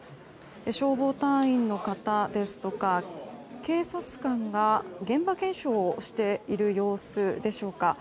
消防隊員の方や警察官が現場検証をしている様子でしょうか。